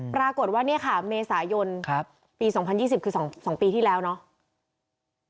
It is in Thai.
ปรากฏว่าเนี่ยค่ะเมษายนปี๒๐๒๐คือ๒ปีที่แล้วเนาะ